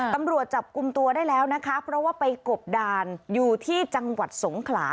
ตำรวจจับกลุ่มตัวได้แล้วนะคะเพราะว่าไปกบดานอยู่ที่จังหวัดสงขลา